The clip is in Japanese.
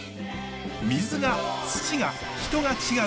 水が土が人が違う。